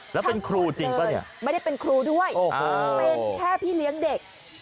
แล้วเป็นครูจริงป่ะเนี่ยไม่ได้เป็นครูด้วยเป็นแค่พี่เลี้ยงเด็ก